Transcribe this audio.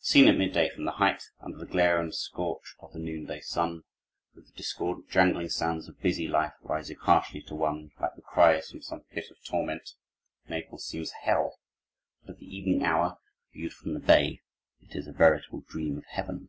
Seen at midday from the height, under the glare and scorch of the noonday sun, with the discordant, jangling sounds of busy life rising harshly to one, like the cries from some pit of torment, Naples seems a hell; but at the evening hour, viewed from the bay, it is a veritable dream of heaven.